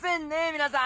皆さん。